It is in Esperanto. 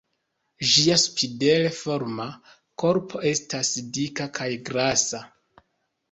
Ĝia spindel-forma korpo estas dika kaj grasa.